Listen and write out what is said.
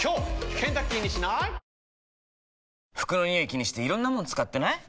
気にしていろんなもの使ってない？